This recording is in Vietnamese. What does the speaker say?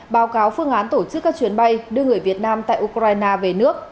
báo cáo phương án tổ chức các chuyến bay đưa người việt nam tại ukraine về nước